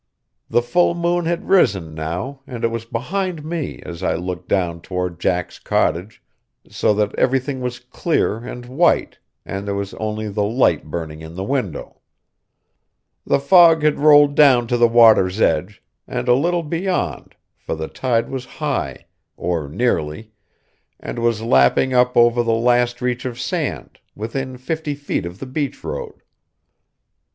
The full moon had risen now, and it was behind me as I looked down toward Jack's cottage, so that everything was clear and white, and there was only the light burning in the window. The fog had rolled down to the water's edge, and a little beyond, for the tide was high, or nearly, and was lapping up over the last reach of sand, within fifty feet of the beach road.